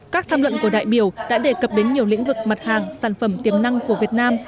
các tham luận của đại biểu đã đề cập đến nhiều lĩnh vực mặt hàng sản phẩm tiềm năng của việt nam